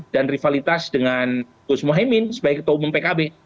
dan rivalitas dengan tuz muhaymin sebagai ketua umum pkb